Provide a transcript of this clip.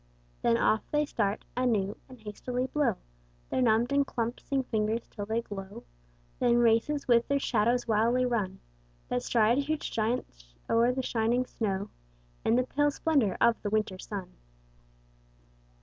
Then off they start anew and hasty blow Their numbed and clumpsing fingers till they glow; Then races with their shadows wildly run That stride huge giants o'er the shining snow In the pale splendour of the winter sun.